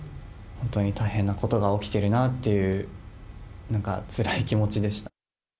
本当に大変なことが起きてるなっていう、なんかつらい気持ちでした。